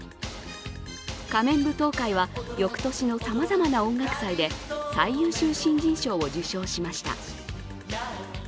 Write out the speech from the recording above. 「仮面舞踏会」は翌年のさまざまな音楽祭で最優秀新人賞を受賞しました。